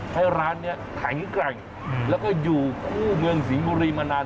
ให้ร้านนี้แข็งแกร่งแล้วก็อยู่คู่เมืองสิงห์บุรีมานาน